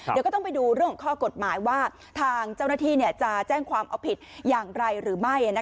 เดี๋ยวก็ต้องไปดูเรื่องของข้อกฎหมายว่าทางเจ้าหน้าที่จะแจ้งความเอาผิดอย่างไรหรือไม่